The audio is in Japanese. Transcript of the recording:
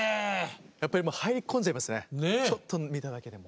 やっぱりもう入り込んじゃいますねちょっと見ただけでも。